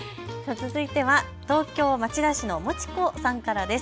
続いては東京町田市の餅粉さんからです。